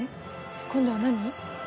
今度は何？